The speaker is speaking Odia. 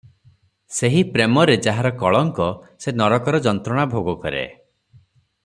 ସେହି ପ୍ରେମରେ ଯାହାର କଳଙ୍କ, ସେ ନରକର ଯନ୍ତ୍ରଣା ଭୋଗ କରେ ।"